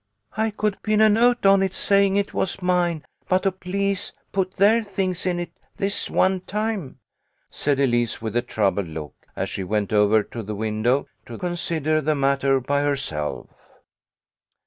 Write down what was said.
" I could pin a note on it saying it was mine, but to please put their things in it this one time," said Elise, with a troubled look, as she went over to the window to consider the matter by herself.